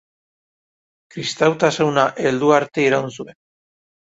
Kristautasuna heldu arte iraun zuen.